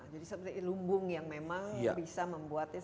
jadi seperti lumbung yang memang bisa membuat